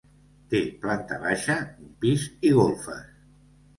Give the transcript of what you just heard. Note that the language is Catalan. Té planta baixa, un pis i golfes.